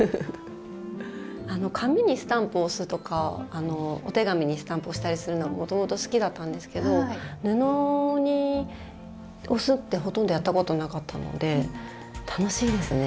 紙にスタンプを押すとかお手紙にスタンプを押したりするのがもともと好きだったんですけど布に押すってほとんどやったことなかったので楽しいですね。